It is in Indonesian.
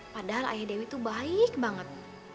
padahal ayah dewi itu baik banget